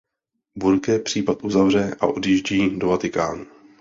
Burke případ uzavře a odjíždí do Vatikánu.